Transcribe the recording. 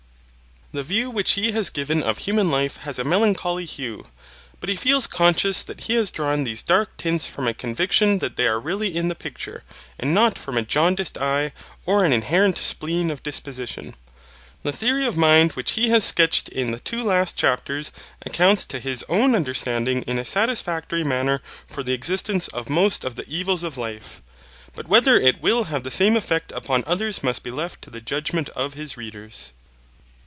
The view which he has given of human life has a melancholy hue, but he feels conscious that he has drawn these dark tints from a conviction that they are really in the picture, and not from a jaundiced eye or an inherent spleen of disposition. The theory of mind which he has sketched in the two last chapters accounts to his own understanding in a satisfactory manner for the existence of most of the evils of life, but whether it will have the same effect upon others must be left to the judgement of his readers.